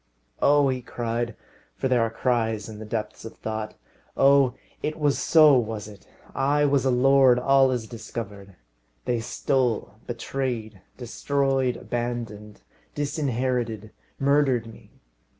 "Oh!" he cried, for there are cries in the depths of thought. "Oh! it was so, was it! I was a lord. All is discovered. They stole, betrayed, destroyed, abandoned, disinherited, murdered me!